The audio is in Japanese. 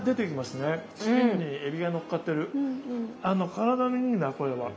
体にいいなこれは。